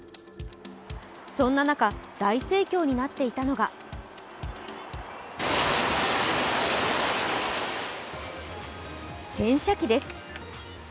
そんな中、大盛況になっていたのが洗車機です。